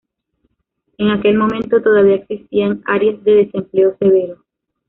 En aquel momento todavía existían áreas de desempleo severo.